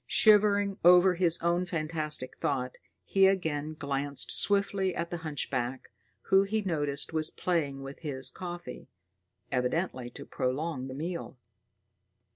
Shivering over his own fantastic thought, he again glanced swiftly at the hunchback, who he noticed was playing with his coffee, evidently to prolong the meal.